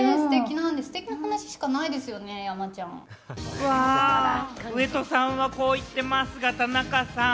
うわー、上戸さんはこう言ってますが、田中さん。